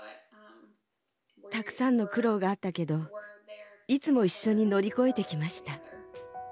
たくさんの苦労があったけどいつも一緒に乗り越えてきました。